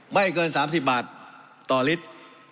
ไม่เกิน๓๐บาทต่อลิตร